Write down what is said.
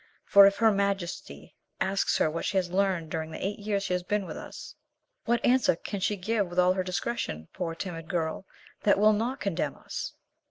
For, if her Majesty asks her what she has learned during the eight years she has been with us, what answer can she give with all her discretion, poor timid girl, that will not condemn us?"